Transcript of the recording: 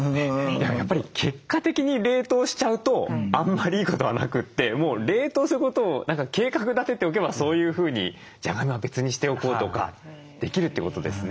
やっぱり結果的に冷凍しちゃうとあんまりいいことはなくて冷凍することを計画立てておけばそういうふうにじゃがいもは別にしておこうとかできるってことですね。